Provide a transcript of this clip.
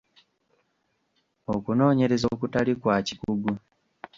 Okunoonyereza okutali kwa kikugu.